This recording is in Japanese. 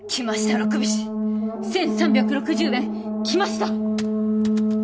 ロクビシ１３６０円来ました！